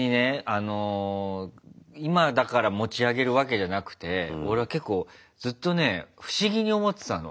あの今だから持ち上げるわけじゃなくて俺は結構ずっとね不思議に思ってたの。